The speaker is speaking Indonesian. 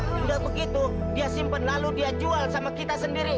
sudah begitu dia simpen lalu dia jual sama kita sendiri